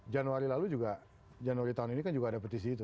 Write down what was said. januari lalu juga januari tahun ini kan juga ada petisi itu